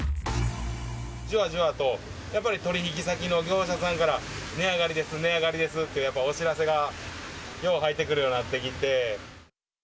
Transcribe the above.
じわじわと、やっぱり取引先の業者さんから値上がりです、値上がりですって、やっぱりお知らせがよう入ってくるようになってきて。